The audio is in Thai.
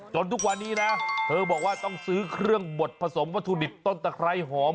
ทุกวันนี้นะเธอบอกว่าต้องซื้อเครื่องบดผสมวัตถุดิบต้นตะไคร้หอม